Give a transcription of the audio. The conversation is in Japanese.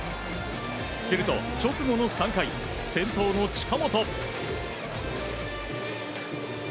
すると直後の３回先頭の近本。